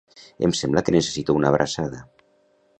Em sembla que necessito una abraçada.